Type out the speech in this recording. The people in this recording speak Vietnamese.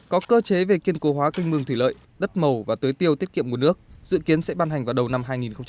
có cơ chế về kiên cố hóa canh mương thủy lợi đất màu và tưới tiêu tiết kiệm nguồn nước dự kiến sẽ ban hành vào đầu năm hai nghìn hai mươi